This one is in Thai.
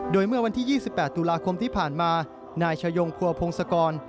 โดยเมื่อวันที่๒๘ตุลาคมที่ผ่านมานายชายงพัวพงศกร